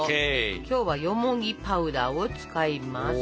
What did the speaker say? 今日はよもぎパウダーを使います。